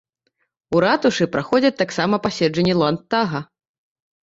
У ратушы праходзяць таксама паседжанні ландтага.